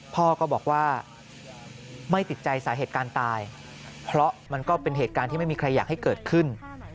พ่อก็บอกว่าไม่ติดใจสาเหตุการณ์ตายเพราะมันก็เป็นเหตุการณ์ที่ไม่มีใครอยากให้เกิดขึ้น